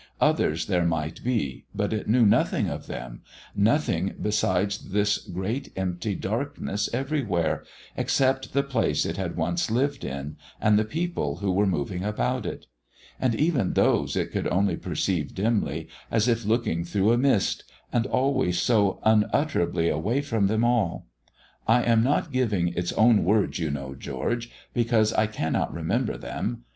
Others there might be, but it knew nothing of them nothing besides this great empty darkness everywhere, except the place it had once lived in, and the people who were moving about it; and even those it could only perceive dimly as if looking through a mist, and always so unutterably away from them all. I am not giving its own words, you know, George, because I cannot remember them.